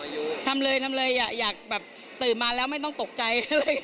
อ๋อยุภะทำเลยอยากตื่นมาแล้วไม่ต้องตกใจ